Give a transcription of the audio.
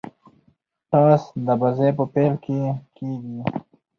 ټاس د بازۍ په پیل کښي کیږي.